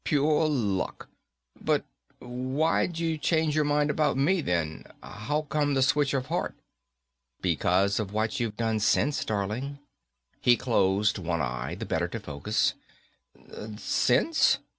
Pure luck. But why'd you change your mind about me, then? How come the switch of heart?" "Because of what you've done since, darling." He closed one eye, the better to focus. "Since?"